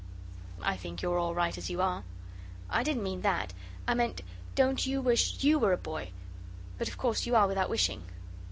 "I think you're all right as you are." "I didn't mean that I meant don't you wish YOU were a boy, but of course you are without wishing."